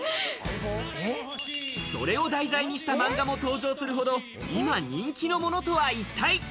それを題材にした漫画も登場するほど今人気のものとは一体？